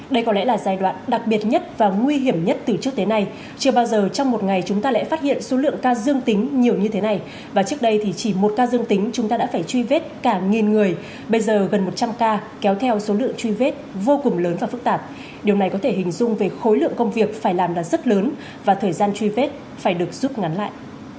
đây có lẽ là giai đoạn đặc biệt nhất và nguy hiểm nhất từ trước đến nay chưa bao giờ trong một ngày chúng ta lại phát hiện số lượng ca dương tính nhiều như thế này và trước đây thì chỉ một ca dương tính chúng ta đã phải truy vết cả nghìn người bây giờ gần một trăm linh ca kéo theo số lượng truy vết vô cùng lớn và phức tạp điều này có thể hình dung về khối lượng công việc phải làm là rất lớn và thời gian truy vết phải được giúp ngắn lại